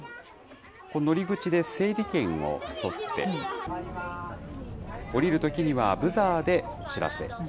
乗り口で整理券を取って、降りるときにはブザーでお知らせ。